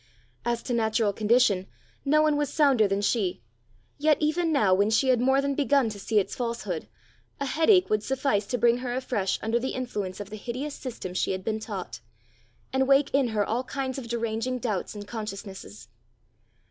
As to natural condition, no one was sounder than she; yet even now when she had more than begun to see its falsehood, a headache would suffice to bring her afresh under the influence of the hideous system she had been taught, and wake in her all kinds of deranging doubts and consciousnesses.